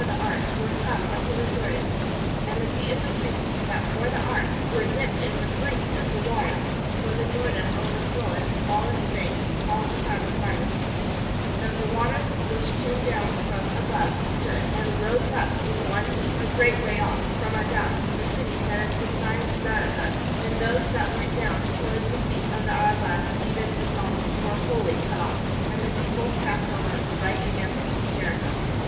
15 JOSHUA the ark were come unto the Jordan and the feet of the priests that bore the ark were dipped in the brink of the water — for the Jordan over floweth all its banks all the time of harvest — 16that the waters which came down from above stood, and rose up in one heap, a great way off from Adam, the city that is beside Zarethan, and those that went down toward the sea of the Arabah, even the Salt Sea, were wholly cut off; and the people passed over right against Jericho.